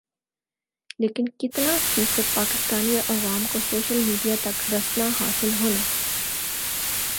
لیکن کِتنا فیصد پاکستانی عوام کو سوشل میڈیا تک رسنا حاصل ہونا